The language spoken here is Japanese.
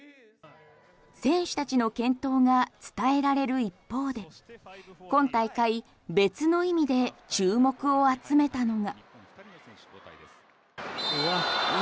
選手たちの健闘が伝えられる一方で今大会、別の意味で注目を集めたのが。